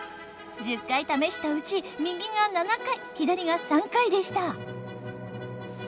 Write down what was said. １０回ためしたうち右が７回左が３回でした。